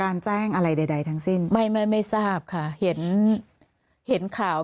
แจ้งอะไรใดทั้งสิ้นไม่ไม่ไม่ทราบค่ะเห็นเห็นข่าว